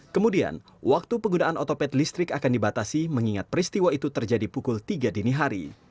kemudian waktu penggunaan otopet listrik akan dibatasi mengingat peristiwa itu terjadi pukul tiga dini hari